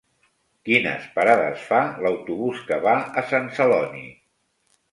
Quines parades fa l'autobús que va a Sant Celoni?